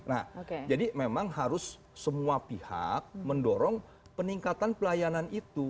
nah jadi memang harus semua pihak mendorong peningkatan pelayanan itu